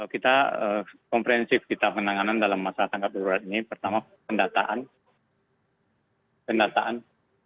kita komprehensif kita penanganan dalam masyarakat kabar di luar ini pertama pendataan